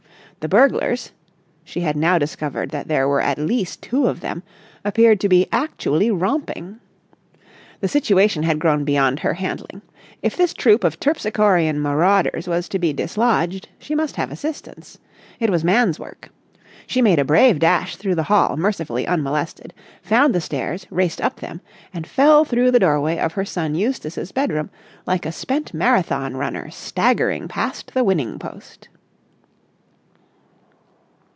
The burglars—she had now discovered that there were at least two of them—appeared to be actually romping. The situation had grown beyond her handling. If this troupe of terpsichorean marauders was to be dislodged she must have assistance. It was man's work. She made a brave dash through the hall mercifully unmolested; found the stairs; raced up them; and fell through the doorway of her son Eustace's bedroom like a spent Marathon runner staggering past the winning post.